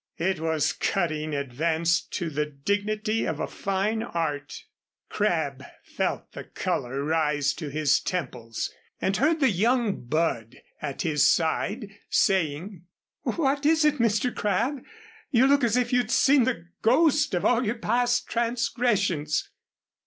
It was cutting advanced to the dignity of a fine art. Crabb felt the color rise to his temples and heard the young bud at his side saying: "What is it, Mr. Crabb? You look as if you'd seen the ghost of all your past transgressions."